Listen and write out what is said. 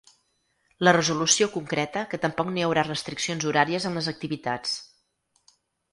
La resolució concreta que tampoc no hi haurà restriccions horàries en les activitats.